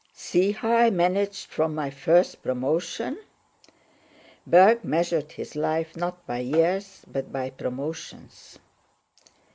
See how I managed from my first promotion." (Berg measured his life not by years but by promotions.)